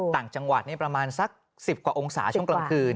ต่างจังหวัดประมาณสัก๑๐กว่าองศาช่วงกลางคืน